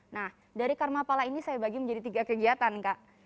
nah dari karmapala ini saya bagi menjadi tiga kegiatan kak